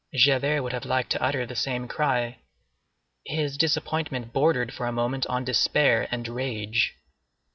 Javert would have liked to utter the same cry. His disappointment bordered for a moment on despair and rage.